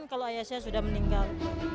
kalau ayah saya sudah meninggal